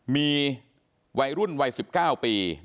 มีวัยรุ่นวัย๑๙ปี